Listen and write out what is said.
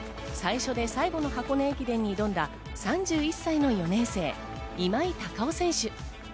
最初で最後の箱根駅伝に挑んだ３１歳の４年生・今井隆生選手。